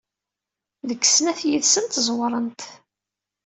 Deg snat yid-sent ẓewrent.